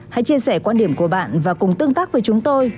hãy chia sẻ quan điểm của bạn và cùng tương tác với chúng tôi